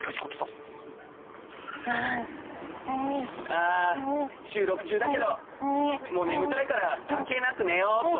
ああー収録中だけどもう眠たいから関係なく寝ようっと！